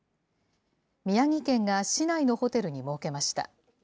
宮城県が市内のホテルに設けました。